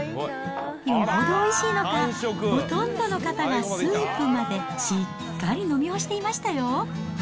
よほどおいしいのか、ほとんどの方がスープまでしっかり飲み干していましたよ。